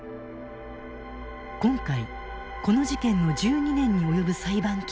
今回この事件の１２年に及ぶ裁判記録を閲覧。